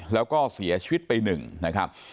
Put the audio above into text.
แล้วก็เสียชีวิตไป๑นะครับ